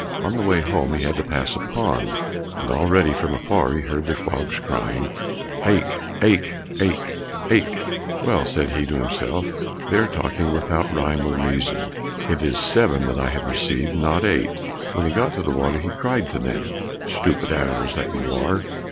On the way home he had to pass a pond, and already from afar he heard the frogs crying, "Aik, aik, aik, aik." "Well," said he to himself, "they are talking without rhyme or reason, it is seven that I have received, not eight." When he got to the water, he cried to them, "Stupid animals that you are!